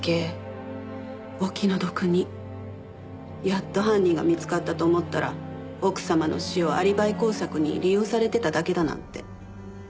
やっと犯人が見つかったと思ったら奥様の死をアリバイ工作に利用されてただけだなんて。